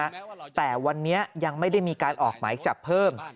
ต่อไปด้วยนะฮะแต่วันนี้ยังไม่ได้มีการออกหมายจับเพิ่ม